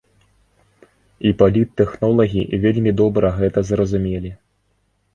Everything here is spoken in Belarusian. І паліттэхнолагі вельмі добра гэта зразумелі.